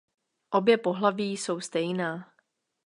Obě pohlaví jsou stejná.